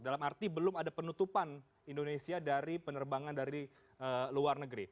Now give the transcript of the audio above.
dalam arti belum ada penutupan indonesia dari penerbangan dari luar negeri